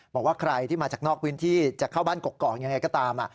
บอกว่าใครที่มาจากนอกพื้นที่จะเข้าบ้านกกอกยังไงก็ตาม